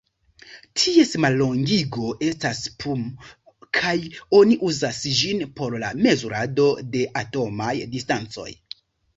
Ties mallongigo estas pm kaj oni uzas ĝin por la mezurado de atomaj distancoj.